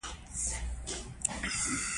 انسان تل د پرمختګ په لټه کې دی.